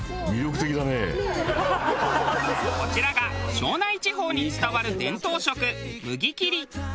こちらが庄内地方に伝わる伝統食麦切り。